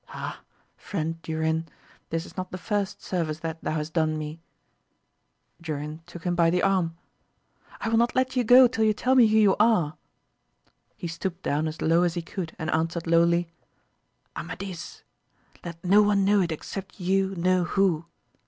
Ah, friend Durin, this is not the first service that thou hast done me ! Durin took him by the arm — I will not let you go till you tell me who you are ! He stooped down as low as he could and answered lowly, Amadis ! let no one know it except you know who